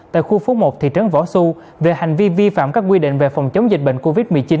tại khu phố một thị trấn võ xu về hành vi vi phạm các quy định về phòng chống dịch bệnh covid một mươi chín